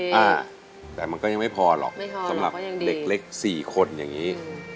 แต่มันก็ยังไม่พอหรอกสำหรับเด็กเล็กสี่คนอย่างนี้